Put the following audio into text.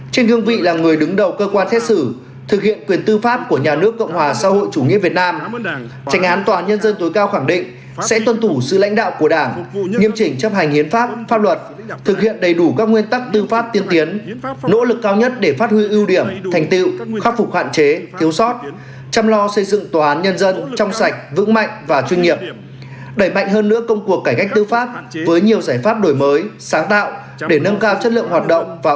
trên gương vị là người đứng đầu cơ quan thết xử thực hiện quyền tư pháp của nhà nước cộng hòa xã hội chủ nghĩa việt nam tranh án tòa nhân dân tối cao khẳng định sẽ tuân tủ sự lãnh đạo của đảng nghiêm trình chấp hành hiến pháp pháp luật thực hiện đầy đủ các nguyên tắc tư pháp tiên tiến nỗ lực cao nhất để phát huy ưu điểm thành tiêu khắc phục hoạn chế thiếu sót chăm lo xây dựng tòa nhân dân trong sạch vững mạnh và chuyên nghiệp đẩy mạnh hơn nữa công cuộc cải cách tư pháp với nhiều giải pháp đổi mới sáng tạo